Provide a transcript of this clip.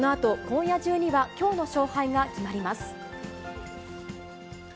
このあと、今夜中にはきょうの勝敗が決まります。